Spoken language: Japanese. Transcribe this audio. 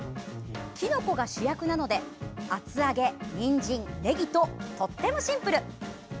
きのこが主役なので厚揚げ、にんじん、ねぎととってもシンプル！